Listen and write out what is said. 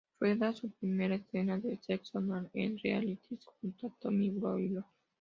Rueda su primera escena de sexo anal en "Realities" junto a Tom Byron.